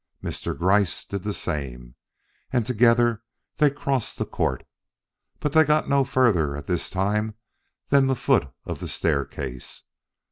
Mr. Gryce did the same, and together they crossed the court. But they got no further at this time than the foot of the staircase.